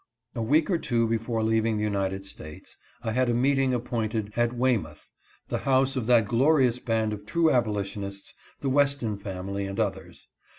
A week or two before leaving the United States, I had a meeting appointed at Weymouth, the house of that glo rious band of true abolitionists — the Weston family and others.